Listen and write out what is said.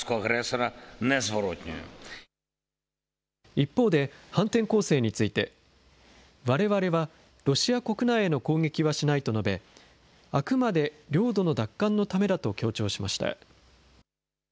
一方で、反転攻勢について、われわれはロシア国内への攻撃はしないと述べ、あくまで領土の奪還のためだと強調しました。